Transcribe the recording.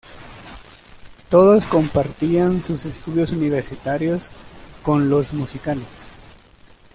Todos compartían sus estudios universitarios con los musicales.